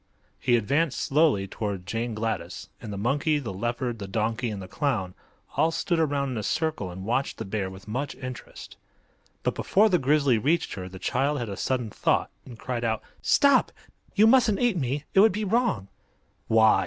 He advanced slowly toward Jane Gladys, and the monkey, the leopard, the donkey and the clown all stood around in a circle and watched the bear with much interest. But before the grizzly reached her the child had a sudden thought, and cried out: "Stop! You mustn't eat me. It would be wrong." "Why?"